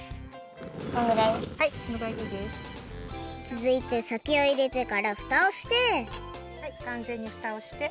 つづいてさけをいれてからフタをしてかんぜんにフタをして。